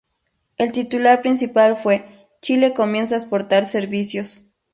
El titular principal fue ""Chile comienza a exportar servicios"".